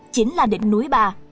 chính là đỉnh núi bà